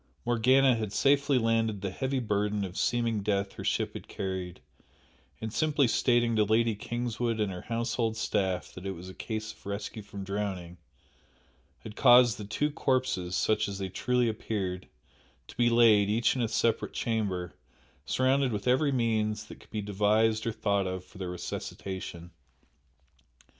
Morgana had safely landed the heavy burden of seeming death her ship had carried, and simply stating to Lady Kingswood and her household staff that it was a case of rescue from drowning, had caused the two corpses (such as they truly appeared) to be laid, each in a separate chamber, surrounded with every means that could be devised or thought of for their resuscitation.